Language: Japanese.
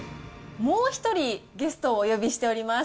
もう１人ゲストをお呼びしております。